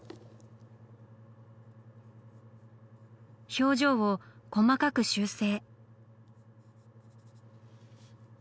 表情を細かく修正。